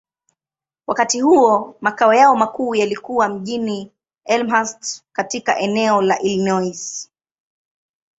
Wakati huo, makao yao makuu yalikuwa mjini Elmhurst, katika eneo la Illinois.